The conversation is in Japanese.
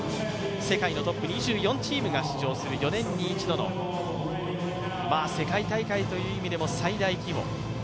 世界のトップ２４チームが出場して行われる４年に一度の世界大会という意味でも最大規模。